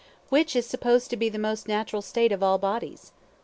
Which is supposed to be the most natural state of all bodies?